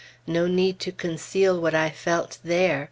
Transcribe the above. No need to conceal what I felt there!